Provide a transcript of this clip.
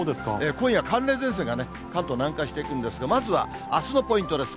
今夜、寒冷前線が関東、南下していくんですが、まずはあすのポイントです。